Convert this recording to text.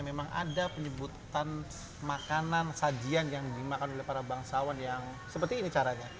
memang ada penyebutan makanan sajian yang dimakan oleh para bangsawan yang seperti ini caranya